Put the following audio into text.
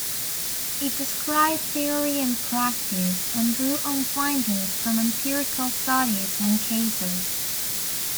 It described theory and practice, and drew on findings from empirical studies and cases.